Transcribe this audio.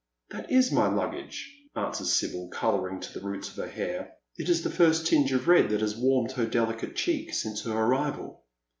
" That is my luggage," answers Sibyl, colouring to the roots of her hair. It is the first tinge of red that has warmed her delicate cheek since her arrival.